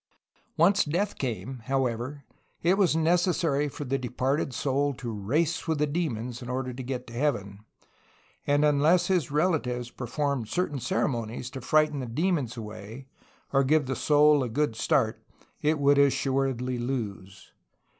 Once death came, however, it was necessary for the departed soul to race with the demons in order to get to heaven, and unless his relatives performed certain cere monies to frighten the demons away or give the soul a good start it would assuredly lose.